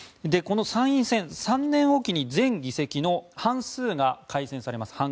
この参院選、３年おきに全議席の半数が改選されます。